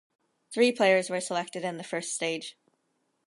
Three players were selected in the first stage.